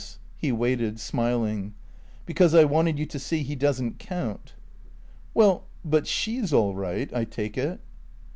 He waited, smiling. "Because I wanted you to see he doesn't count." "Well but she's all right, I take it?"